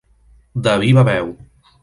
De viva veu.